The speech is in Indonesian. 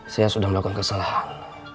saya sudah melakukan kesalahan